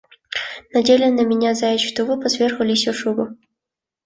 Надели на меня заячий тулуп, а сверху лисью шубу.